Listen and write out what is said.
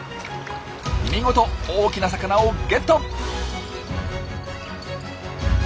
見事大きな魚をゲット！